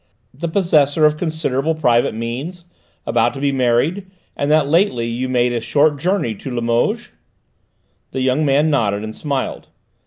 The possessor of considerable private means? About to be married? And that lately you made a short journey to Limoges?" The young man nodded and smiled.